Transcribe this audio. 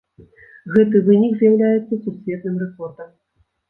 Гэты вынік з'яўляецца сусветным рэкордам.